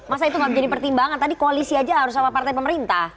masa itu gak menjadi pertimbangan tadi koalisi aja harus sama partai pemerintah